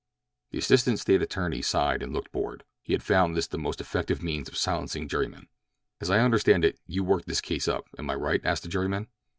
The assistant State attorney sighed and looked bored. He had found this the most effective means of silencing jurymen. "As I understand it, you worked this case up, am I right?" asked the juryman.